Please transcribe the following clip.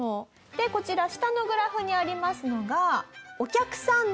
でこちら下のグラフにありますのがお客さんのね